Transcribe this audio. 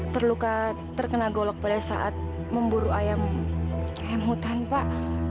terluka terkena golok pada saat memburu ayam hutan pak